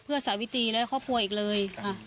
เพื่อสาวิตรีและครอบครัวอีกเลย